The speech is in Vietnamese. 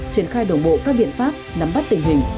triển khai đồng bộ các biện pháp nắm bắt tình hình